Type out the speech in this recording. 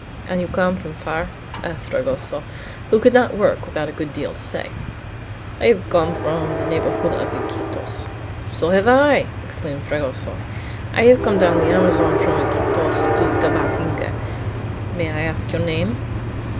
"And you come from far?" asked Fragoso, who could not work without a good deal to say. "I have come from the neighborhood of Iquitos." "So have I!" exclaimed Fragoso. "I have come down the Amazon from Iquitos to Tabatinga. May I ask your name?"